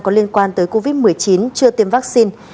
có liên quan tới covid một mươi chín chưa tiêm vắc xin